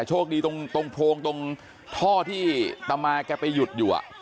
โชคดีตรงโพรงตรงท่อที่ตามาแกไปหยุดอยู่